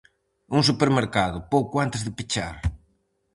Un supermercado, pouco antes de pechar.